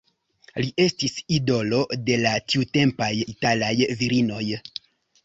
Li estis idolo de la tiutempaj italaj virinoj.